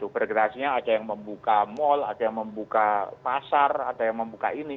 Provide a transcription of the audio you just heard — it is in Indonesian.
berkreasinya ada yang membuka mall ada yang membuka pasar ada yang membuka ini